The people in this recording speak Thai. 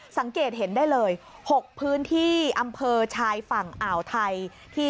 สังเกตเห็นได้เลย๖พื้นที่อำเภอชายฝั่งอ่าวไทยที่